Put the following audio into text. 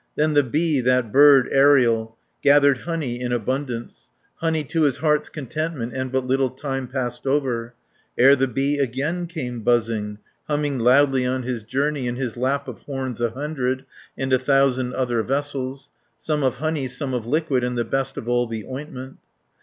Then the bee, that bird aerial, Gathered honey in abundance, Honey to his heart's contentment. And but little time passed over, Ere the bee again came buzzing, Humming loudly on his journey, 530 In his lap of horns a hundred, And a thousand other vessels, Some of honey, some of liquid, And the best of all the ointment.